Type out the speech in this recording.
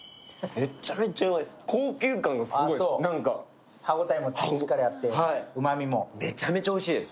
めちゃめちゃうまいっす。